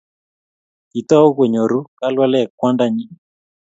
Kiitou kunyoru kalwalek kwanda nyin